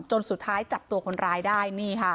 จนสุดท้ายจับตัวคนร้ายได้